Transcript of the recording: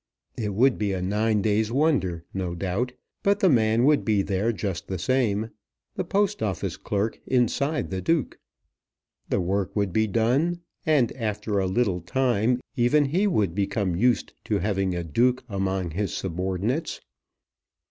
It would be a nine days' wonder, no doubt. But the man would be there just the same, the Post Office clerk inside the Duke. The work would be done, and after a little time even he would become used to having a Duke among his subordinates.